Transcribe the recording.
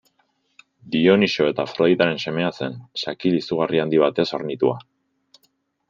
Dioniso eta Afroditaren semea zen, zakil izugarri handi batez hornitua.